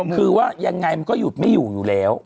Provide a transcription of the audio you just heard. คือว่ายังไงมันก็หยุดไม่อยู่อยู่แล้ว